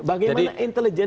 bagaimana intelijen itu